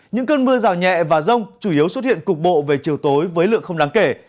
những cơn mưa rào nhẹ và rông chủ yếu xuất hiện cục bộ về chiều tối với lượng không đáng kể